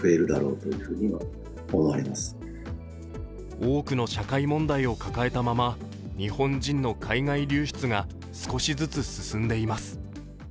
多くの社会問題を抱えたまま日本人の海外流出が少しずつ進んでいます。